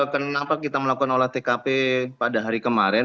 kenapa kita melakukan olah tkp pada hari kemarin